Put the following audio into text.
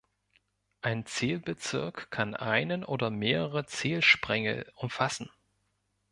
Ein Zählbezirk kann einen oder mehrere Zählsprengel umfassen.